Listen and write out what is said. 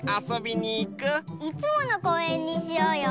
いつものこうえんにしようよ！